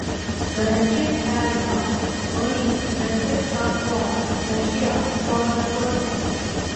The Russian pair won, earning the Fed Cup for Russia for the first time.